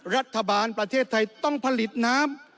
รัฐบาลประเทศไทยต้องผลิตน้ำ